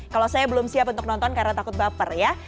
kalau saya belum siap untuk nonton karena takut baper ya